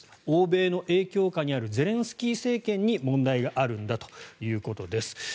欧米の影響下にあるゼレンスキー政権に問題があるんだということです。